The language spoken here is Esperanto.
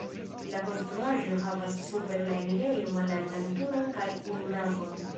La konstruaĵo havas super la enirejo malaltan turon kaj unu navon.